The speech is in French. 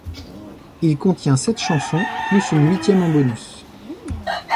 Il contient sept chansons, plus une huitième en bonus.